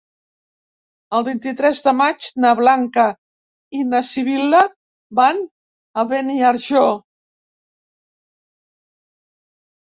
El vint-i-tres de maig na Blanca i na Sibil·la van a Beniarjó.